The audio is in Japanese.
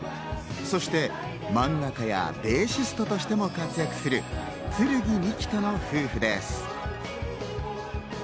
そして漫画家やベーシストとしても活躍する劔樹人の夫婦です。